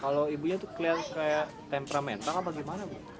kalau ibunya tuh kelihatan kayak temperamental apa gimana bu